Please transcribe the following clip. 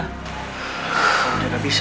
harusnya ndi ada di sana